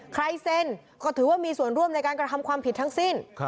เซ็นก็ถือว่ามีส่วนร่วมในการกระทำความผิดทั้งสิ้น